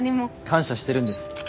感謝してるんです。